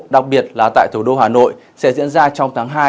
đặc biệt là tại thủ đô hà nội sẽ diễn ra trong tháng hai